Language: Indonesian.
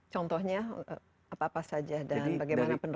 contohnya apa apa saja dan bagaimana penerapannya